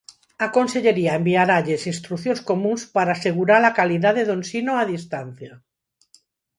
A consellería enviaralles instrucións comúns para asegurar a calidade do ensino a distancia.